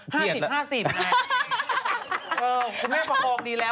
คุณแม่ประคองดีแล้ว